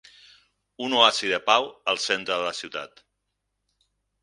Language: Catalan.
Un oasi de pau al centre de la ciutat.